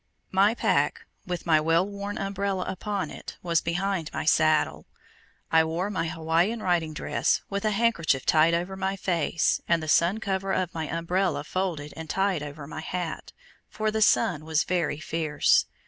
My pack, with my well worn umbrella upon it, was behind my saddle. I wore my Hawaiian riding dress, with a handkerchief tied over my face and the sun cover of my umbrella folded and tied over my hat, for the sun was very fierce.